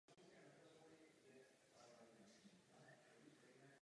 Herbert do deblové soutěže nezasáhl.